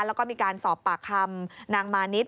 แล้วก็มีการสอบปากคำนางมานิด